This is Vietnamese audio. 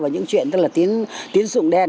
những chuyện tức là tiến dụng đèn